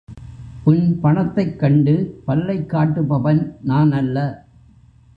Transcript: உன் பணத்தைக் கண்டு பல்லைக் காட்டுபவன் நானல்ல.